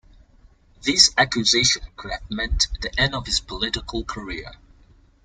This accusation could have meant the end of his political career.